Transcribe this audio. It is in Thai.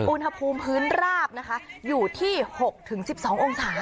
อุณหภูมิพื้นราบนะคะอยู่ที่๖๑๒องศา